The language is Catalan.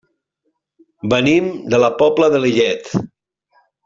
Venim de la Pobla de Lillet.